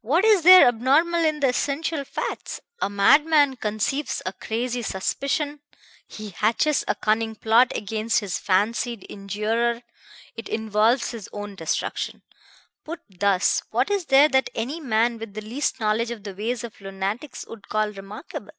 "What is there abnormal in the essential facts? A madman conceives a crazy suspicion; he hatches a cunning plot against his fancied injurer; it involves his own destruction. Put thus, what is there that any man with the least knowledge of the ways of lunatics would call remarkable?